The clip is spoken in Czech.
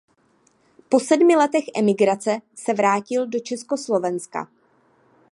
Po sedmi letech emigrace se vrátil do Československa.